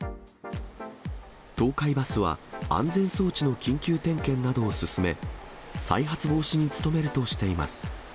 東海バスは、安全装置の緊急点検などを進め、再発防止に努めるとしています。